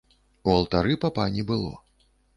У алтары папа не было.